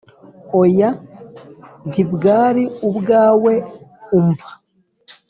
oya ntibwari ubwawe umvaa